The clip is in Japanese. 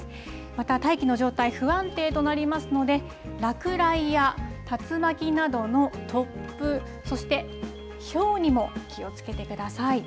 また大気の状態不安定となりますので落雷や竜巻などの突風、そしてひょうにも気をつけてください。